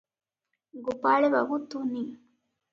ଗୋପାଳବାବୁ ତୁନି ।